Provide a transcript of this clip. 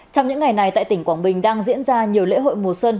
trong những ngày này tại tỉnh quảng bình đang diễn ra nhiều lễ hội mùa xuân